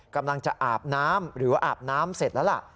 กำลังจะอาบน้ำหรือว่าอาบน้ำเสร็จแล้วล่ะ